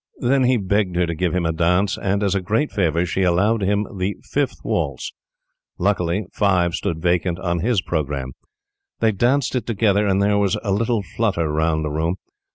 Then he begged her to give him a dance, and, as a great favor, she allowed him the fifth waltz. Luckily 5 stood vacant on his programme. They danced it together, and there was a little flutter round the room.